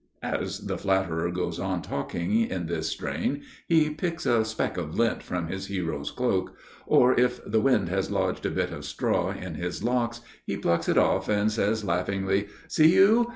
As the flatterer goes on talking in this strain he picks a speck of lint from his hero's cloak; or if the wind has lodged a bit of straw in his locks, he plucks it off and says laughingly, "See you?